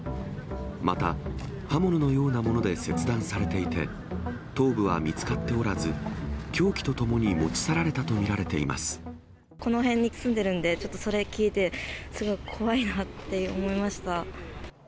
また、刃物のようなもので切断されていて、頭部は見つかっておらず、凶器とともに持ち去られたとこの辺に住んでるんで、ちょっとそれ聞いて、すごく怖いなって思いました。